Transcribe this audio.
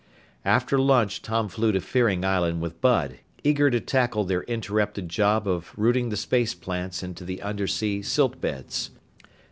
After lunch Tom flew to Fearing Island with Bud, eager to tackle their interrupted job of rooting the space plants into the undersea silt beds.